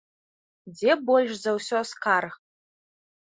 Дзе больш за ўсё скарг?